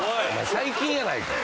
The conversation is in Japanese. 最近やないかい！